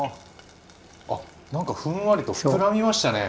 なんかふんわりと膨らみましたね。